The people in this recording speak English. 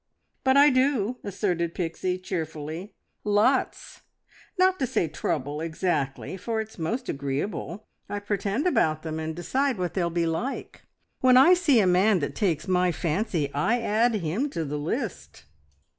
"But I do," asserted Pixie cheerfully. "Lots. Not to say trouble, exactly, for it's most agreeable. I pretend about them, and decide what they'll be like. When I see a man that takes my fancy, I add him to the list.